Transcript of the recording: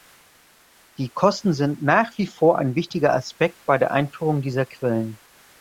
Die Kosten sind nach wie vor ein wichtiger Aspekt bei der Einführung dieser Quellen.